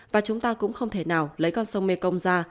và chúng ta cũng không thể nào lấy con sông mê công ra